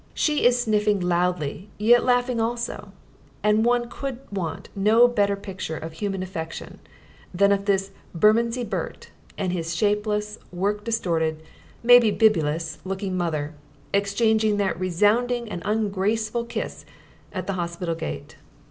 She is sniffing loudly yet laughing also, and one could want no better picture of human affection than this of Bermondsey Bert and his shapeless, work distorted, maybe bibulous looking mother, exchanging that resounding and ungraceful kiss at the hospital gate.